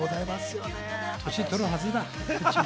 歳取るはずだ。